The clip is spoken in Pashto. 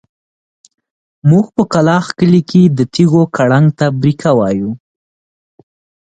موږ په کلاخ کلي کې د تيږو کړنګ ته بېرکه وايو.